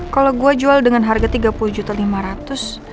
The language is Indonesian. kalau gue jual dengan harga rp tiga puluh lima ratus